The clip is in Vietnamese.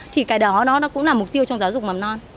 thì cái đó nó cũng là mục tiêu trong giáo dục mầm non